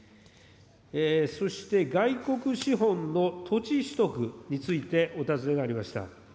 そして外国資本の土地取得についてお尋ねがありました。